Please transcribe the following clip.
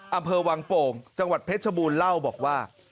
อำเภอวังโป่งจังหวัดเพชรบูรณ์เล่าบอกว่า